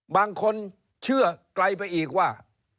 บางคนเชื่อไกลไปอีกว่า